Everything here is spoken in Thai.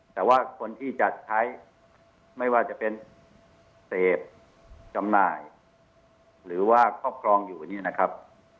แต่ว่าคนที่จะใช้ไม่ว่าจะเป็นเสพจำหน่ายหรือว่าครอบครองอยู่เนี่ยนะครับ